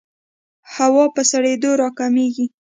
هوا په سړېدو راکمېږي.